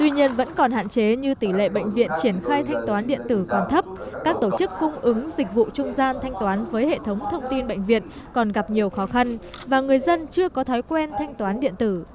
tuy nhiên vẫn còn hạn chế như tỷ lệ bệnh viện triển khai thanh toán điện tử còn thấp các tổ chức cung ứng dịch vụ trung gian thanh toán với hệ thống thông tin bệnh viện còn gặp nhiều khó khăn và người dân chưa có thói quen thanh toán điện tử